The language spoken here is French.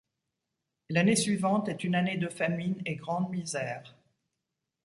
L'année suivante est une année de famine et grande misère.